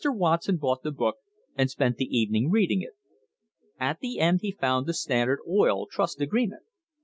Watson bought the book and spent the evening reading it. At the end he found the Standard Oil Trust agreement.